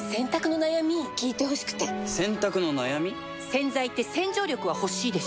洗剤って洗浄力は欲しいでしょ